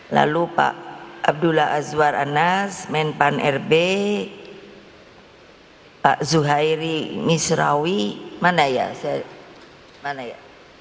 lalu pak abdullah azwar anas menpan rb pak zuhairi misrawi mana ya mana ya